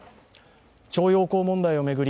徴用工問題を巡り